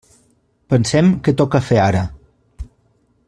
Pensem què toca fer ara.